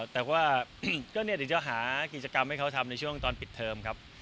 แต่ว่าก็เดี๋ยวจะหากิจกรรมให้เขาทำในช่วงตอนปิดเทอมครับ